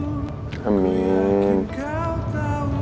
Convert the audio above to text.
berikut kami sampaikan breaking news